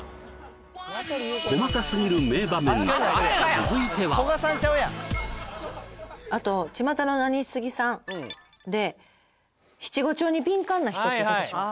続いてはあと「巷のナニスギさん」で七五調に敏感な人っていたでしょ？